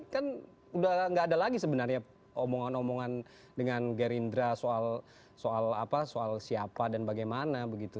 kan udah nggak ada lagi sebenarnya omongan omongan dengan gerindra soal siapa dan bagaimana begitu